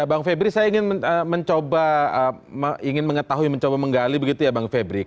bang febri saya ingin mencoba ingin mengetahui mencoba menggali begitu ya bang febri